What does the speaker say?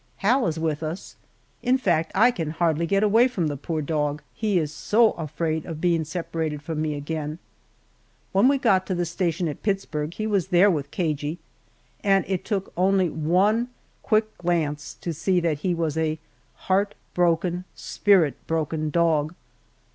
Hal is with us in fact, I can hardly get away from the poor dog, he is so afraid of being separated from me again. When we got to the station at Pittsburg he was there with Cagey, and it took only one quick glance to see that he was a heart broken, spirit broken dog.